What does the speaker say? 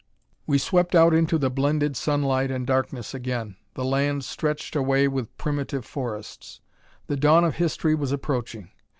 We swept out into the blended sunlight and darkness again. The land stretched away with primitive forests. The dawn of history was approaching.